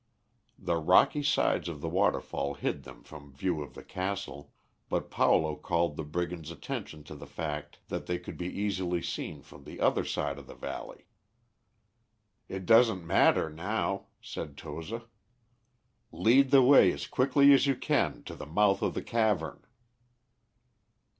The rocky sides of the waterfall hid them from view of the castle, but Paulo called the brigand's attention to the fact that they could be easily seen from the other side of the valley. "It doesn't matter now," said Toza; "lead the way as quickly as you can to the mouth of the cavern."